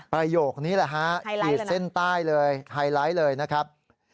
ประโยคนี้แหละฮะขีดเส้นใต้เลยไฮไลท์เลยนะครับ